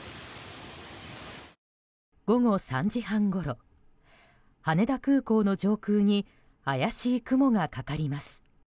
午後３時半ごろ羽田空港の上空に怪しい雲がかかります。